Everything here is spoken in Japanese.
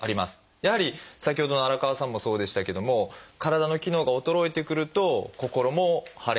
やはり先ほどの荒川さんもそうでしたけども体の機能が衰えてくると心も晴れない。